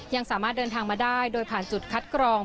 ยังสามารถเดินทางมาได้โดยผ่านจุดคัดกรอง